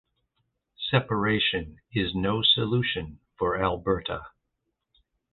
Separation is no solution for Alberta.